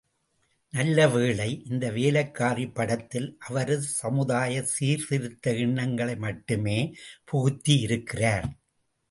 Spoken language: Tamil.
நல்ல வேளை, இந்த வேலைக்காரி படத்தில் அவரது சமுதாய சீர்திருத்த எண்ணங்களை மட்டுமே புகுத்தி இருக்கிறார்.